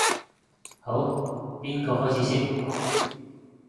好，邊個開始先？